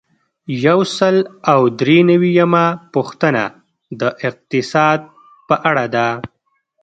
یو سل او درې نوي یمه پوښتنه د اقتصاد په اړه ده.